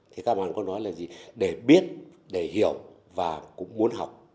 thì các bạn có nói là gì để biết để hiểu và cũng muốn học